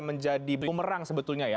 menjadi bumerang sebetulnya ya